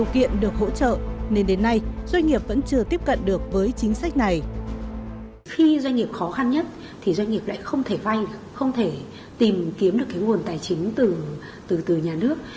không thể vay không thể tìm kiếm được cái nguồn tài chính từ nhà nước